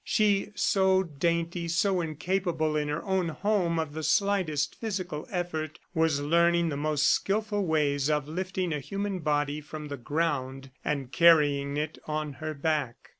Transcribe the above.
She, so dainty, so incapable in her own home of the slightest physical effort, was learning the most skilful ways of lifting a human body from the ground and carrying it on her back.